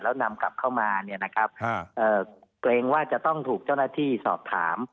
แล้วนำกลับเข้ามาเนี่ยนะครับเกรงว่าจะต้องถูกเจ้าหน้าที่สอบถาม